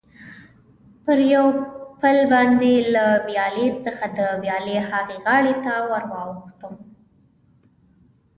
پر یو پل باندې له ویالې څخه د ویالې ها غاړې ته ور واوښتم.